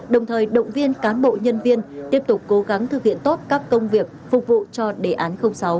đồng thời động viên cán bộ nhân viên tiếp tục cố gắng thực hiện tốt các công việc phục vụ cho đề án sáu